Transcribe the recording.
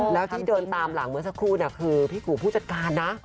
แล้วที่เดินตามหลังเมื่อสักครู่คือพี่กูผู้จัดการนะ